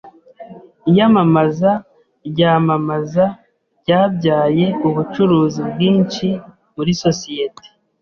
Iyamamaza ryamamaza ryabyaye ubucuruzi bwinshi muri sosiyete.